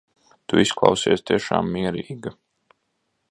Tu izklausies tiešām mierīga.